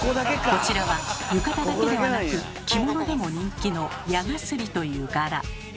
こちらは浴衣だけではなく着物でも人気の「矢絣」という柄。